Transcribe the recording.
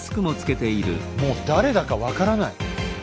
もう誰だか分からない。